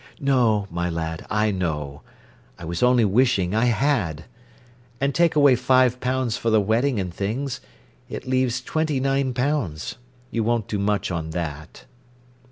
"No, my lad, I know. I was only wishing I had. And take away five pounds for the wedding and things—it leaves twenty nine pounds. You won't do much on that."